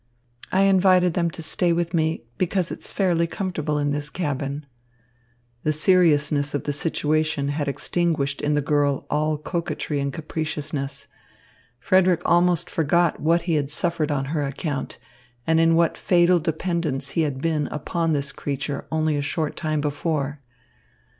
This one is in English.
"I invited them to stay with me because it's fairly comfortable in this cabin." The seriousness of the situation had extinguished in the girl all coquetry and capriciousness. Frederick almost forgot what he had suffered on her account and in what fatal dependence he had been upon this creature only a short time before.